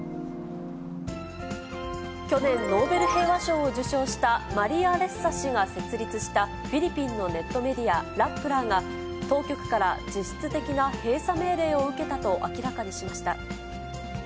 去年、ノーベル平和賞を受賞したマリア・レッサ氏が設立したフィリピンのネットメディア、ラップラーが、当局から実質的な閉鎖命令を受けたと明らかにしました。